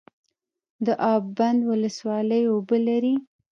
د اب بند ولسوالۍ اوبه لري